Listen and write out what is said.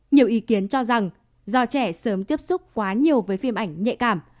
nhiều ý kiến cho rằng do trẻ sớm tiếp xúc quá nhiều với phim ảnh nhạy cảm